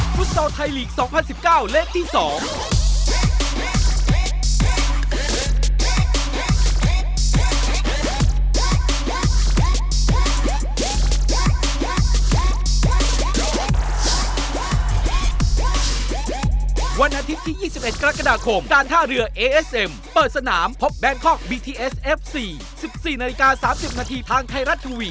โปรดติดตามตอนต่อไป